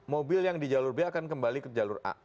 mobil yang di jalur b akan kembali ke jalur a